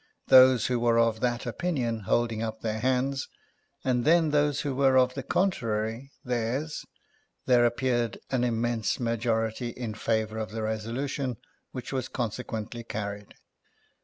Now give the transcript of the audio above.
Those who were of that opinion holding up their hands, and then those who were of the contrary, theirs, there appeared an immense majority in favoui of the resolution which was consequently carried.